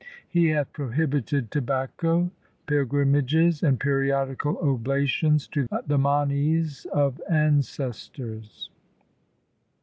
He hath prohibited tobacco, pil grimages, and periodical oblations to the manes of ancestors.'